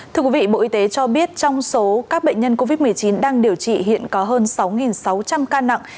thưa quý vị bộ y tế cho biết trong số các bệnh nhân covid một mươi chín đang điều trị hiện có hơn sáu sáu trăm linh ca nặng